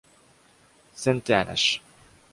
Centenas.